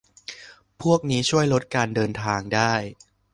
พวกนี้ก็ช่วยลดการเดินทางได้